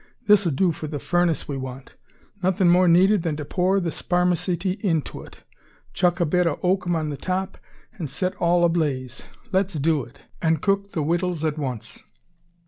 This'll do for the furness we want. Nothin' more needed than to pour the sparmacety into it, chuck a bit o' oakum on the top, an' set all ablaze. Let's do it, and cook the wittles at once."